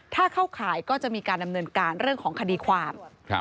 ถ้าเข้าข่ายก็จะมีการดำเนินการเรื่องของคดีความ